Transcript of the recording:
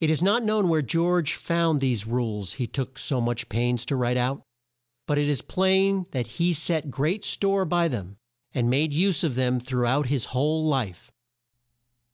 It is not known where George found these rules he took so much pains to write out, but it is plain that he set great store by them, and made use of them through out his whole life.